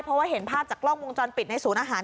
เพราะว่าเห็นภาพจากกล้องวงจรปิดในศูนย์อาหาร